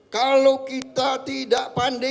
kalau kita tidak pandai